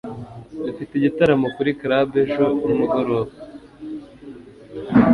Dufite igitaramo kuri club ejo nimugoroba.